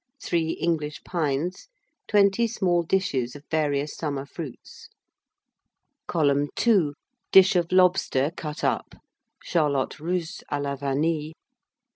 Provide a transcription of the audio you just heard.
3 English Pines. 20 Small Dishes of various Summer Fruits. [Column 2] Dish of Lobster, cut up. Charlotte Russe à la Vanille.